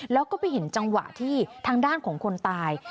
แล้วก็ไปเห็นจังหวะที่ทางด้านของคนตาย